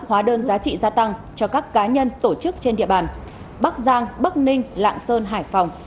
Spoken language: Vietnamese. hóa đơn giá trị gia tăng cho các cá nhân tổ chức trên địa bàn bắc giang bắc ninh lạng sơn hải phòng